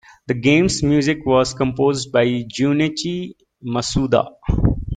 The game's music was composed by Junichi Masuda.